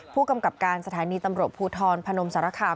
ผู้กำกับการสถานีตำรวจภูทรพนมสารคาม